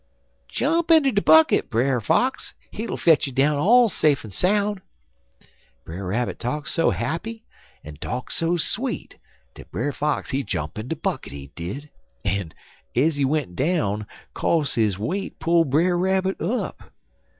"'Jump inter de bucket, Brer Fox. Hit'll fetch you down all safe en soun'.' "Brer Rabbit talk so happy en talk so sweet dat Brer Fox he jump in de bucket, he did, en, ez he went down, co'se his weight pull Brer Rabbit up.